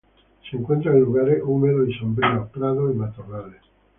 Se encuentra en lugares húmedos y sombríos, prados y matorrales.